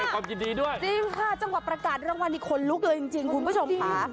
ความยินดีด้วยจริงค่ะจังหวะประกาศรางวัลนี่ขนลุกเลยจริงคุณผู้ชมค่ะ